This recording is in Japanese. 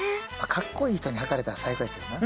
かっこいい人にはかれたら最高やけどな。